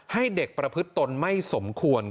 ให้เด็กประพฤติตนไม่สมควร